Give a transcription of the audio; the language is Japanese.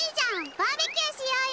バーベキューしようよ！